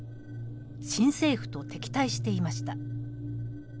新政府と敵対していました。